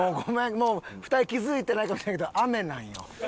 もう２人気づいてないかもしれないけど雨なんよ。